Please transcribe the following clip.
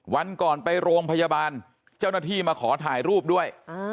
วันก่อนไปโรงพยาบาลเจ้าหน้าที่มาขอถ่ายรูปด้วย